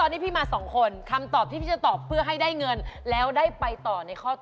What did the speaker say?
โดยไม่มีพี่อู๊ดให้พี่ตอบก็